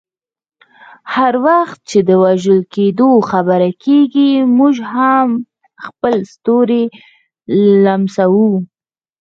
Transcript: هر وخت چې د وژل کیدو خبره کیږي، موږ خپل ستوري لمسوو.